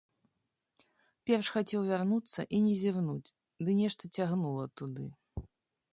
Перш хацеў вярнуцца і не зірнуць, ды нешта цягнула туды.